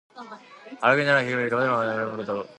悪人などがはびこり、我がもの顔に振る舞うこと。